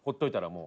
もう。